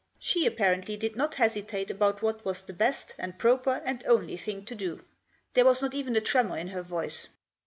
She apparently did not hesitate about what was the best, and proper, and only thing to do. There was not even a tremor in her voice.